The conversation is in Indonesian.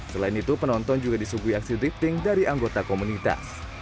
selain itu penonton juga disugui aksi drifting dari anggota komunitas